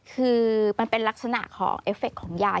คือมันเป็นลักษณะของเอฟเฟคของยาย